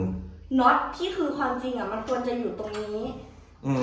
น็อตที่คือความจริงอ่ะมันควรจะอยู่ตรงนี้อืม